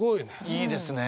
いいですね。